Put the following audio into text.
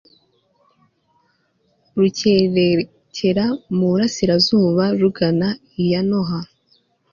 rukerekera mu burasirazuba rugana i yanoha